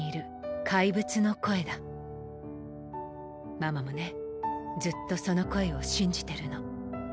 ママもねずっとその声を信じてるの。